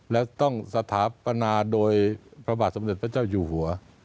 และต้องสถาปนาโดยพระบาทสมเด็จพระเจ้าอยู่หัว